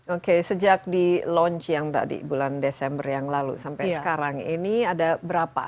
oke sejak di launch yang tadi bulan desember yang lalu sampai sekarang ini ada berapa